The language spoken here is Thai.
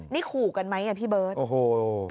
นี่ขู่กันไหมอ่ะพี่เบิร์ต